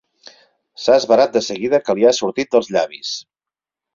S'ha esverat de seguida que li ha sortit dels llavis.